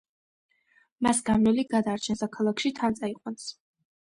მას გამვლელი გადაარჩენს და ქალაქში თან წაიყვანს.